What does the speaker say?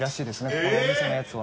ここのお店のやつは。